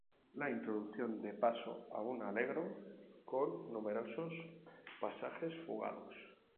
La introducción da paso a un "allegro" con numerosos pasajes fugados.